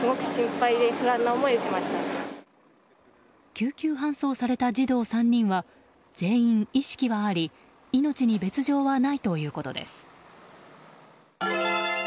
救急搬送された児童３人は全員、意識はあり命に別条はないということです。